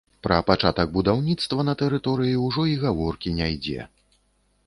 Пра пачатак будаўніцтва на тэрыторыі ўжо і гаворкі не ідзе.